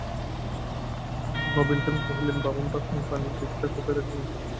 নবীনকালী কহিলেন, বামুন-ঠাকরুন, পানের ডিপেটা কোথায় রাখিলে?